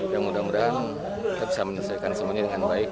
ya mudah mudahan kita bisa menyelesaikan semuanya dengan baik